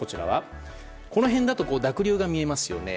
この辺に濁流が見えますよね